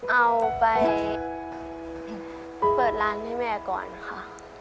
เอาไปเปิดร้านให้แม่ก่อนค่ะ